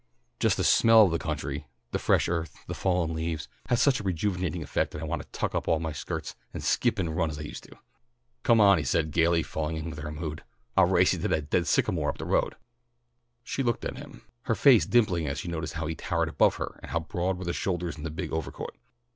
Just the smell of the country, the fresh earth, the fallen leaves, has such a rejuvenating effect that I want to tuck up my skirts and skip and run as I used to." "Come on," he exclaimed gaily, falling in with her mood. "I'll race you to that dead sycamore up the road." She looked up at him, her face dimpling as she noticed how he towered above her and how broad were the shoulders in the big overcoat.